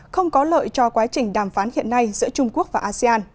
không có lợi cho quá trình đàm phán hiện nay giữa trung quốc và asean